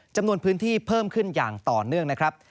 จำนวนพื้นที่เพิ่มขึ้นอย่างต่อเนื่องนะครับ